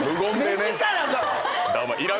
目力が。